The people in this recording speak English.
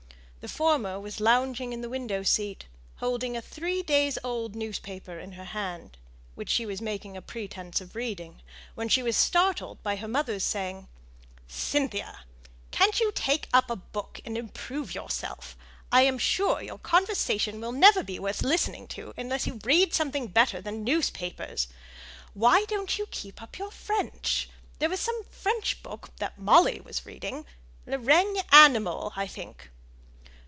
The former was lounging in the window seat, holding a three days' old newspaper in her hand, which she was making a pretence of reading, when she was startled by her mother's saying, "Cynthia! can't you take up a book and improve yourself? I am sure your conversation will never be worth listening to, unless you read something better than newspapers. Why don't you keep up your French? There was some French book that Molly was reading Le RĆgne Animal, I think."